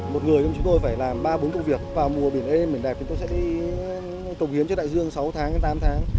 một người trong chúng tôi phải làm ba bốn công việc vào mùa biển êm biển đẹp chúng tôi sẽ đi cầu hiến cho đại dương sáu tháng tám tháng